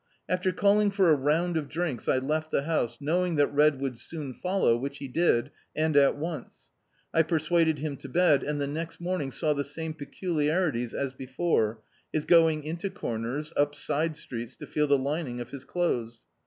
After calling for a round of drinks, I left the house, knowing that Red would soon fol low, wtiicb he did, and at once. I persuaded him to bed, and the next morning saw the same peculiari ties as before — his going into comers, up side streets, to feel the lining of his clothes.